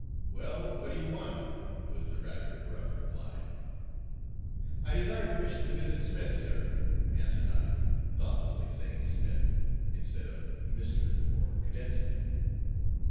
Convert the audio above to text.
"Well, what do you want?" was the rather gruff reply. "I desire permission to visit Smith, sir," answered I, thoughtlessly saying "Smith," instead of "Mr" or "Cadet Smith."